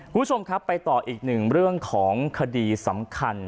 คุณผู้ชมครับไปต่ออีกหนึ่งเรื่องของคดีสำคัญ